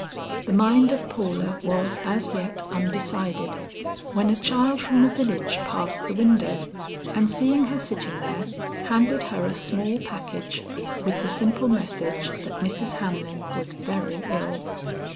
The mind of Paula was as yet undecided, when a child from the village passed the window, and seeing her sitting there, handed her a small package with the simple message that Mrs. Hamlin was very ill.